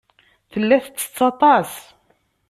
Tella tettett aṭas.